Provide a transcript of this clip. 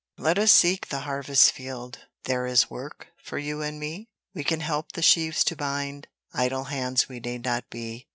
Let us seek the harvest field, There is work for you and me? We can help the sheaves to bind: Idle hands we need not be.